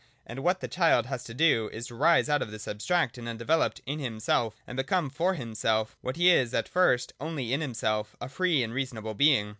And what the child has to do is to rise out of this abstract and undeveloped ' in himself,' and become ' for himself what he is at first only 'in himself,' — a free and reasonable being.